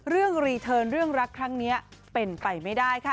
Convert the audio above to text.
รีเทิร์นเรื่องรักครั้งนี้เป็นไปไม่ได้ค่ะ